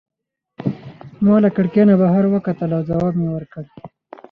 ما له کړکۍ نه بهر وکتل او ځواب مي ورکړ.